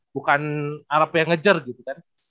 bukan arab yang ngejar gitu kan